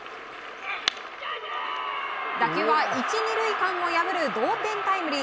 打球は１、２塁間を破る同点タイムリー。